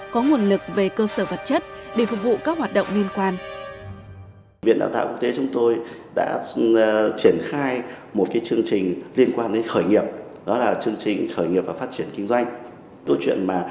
có nguồn lực về cơ sở vật chất để phục vụ các hoạt động liên quan